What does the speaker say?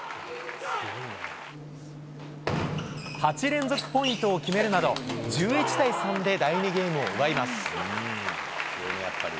８連続ポイントを決めるなど、１１対３で第２ゲームを奪います。